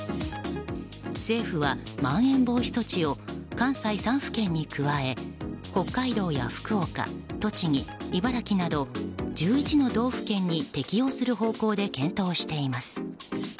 政府はまん延防止措置を関西３府県に加え北海道や福岡、栃木、茨城など１１の道府県に適用する方向で検討しています。